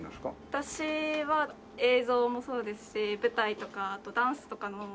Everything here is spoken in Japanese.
私は映像もそうですし舞台とかあとダンスとかのほうも。